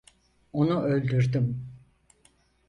Onu öldürdüm.